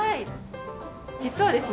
実はですね